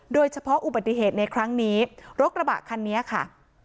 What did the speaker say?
โดยเฉพาะอุบัติเหตุในครั้งนี้รถกระบะคันนี้ค่ะ